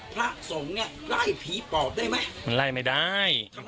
พระสงฆ์เนี่ยไล่ผีปอบได้ไหมมันไล่ไม่ได้